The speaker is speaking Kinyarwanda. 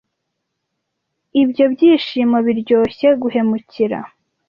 Ibyo byishimo biryoshye guhemukira